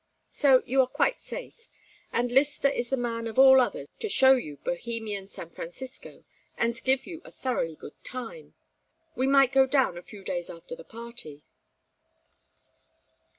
So you are quite safe, and Lyster is the man of all others to show you Bohemian San Francisco and give you a thoroughly good time. We might go down a few days after the party."